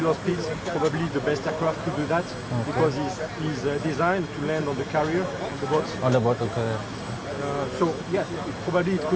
mungkin pesawat yang terbaik itu karena desainnya untuk menambah kekuatan udara di kapal